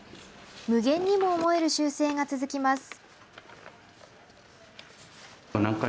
無限にも思える修正が続きます。